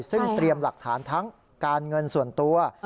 ซึ่งเตรียมหลักฐานทั้งการเงินส่วนตัว